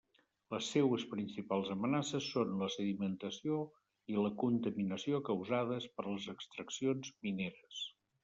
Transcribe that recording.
Les seues principals amenaces són la sedimentació i la contaminació causades per les extraccions mineres.